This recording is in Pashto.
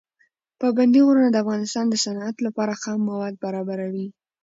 پابندي غرونه د افغانستان د صنعت لپاره خام مواد برابروي.